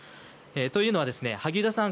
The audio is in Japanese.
というのは萩生田さん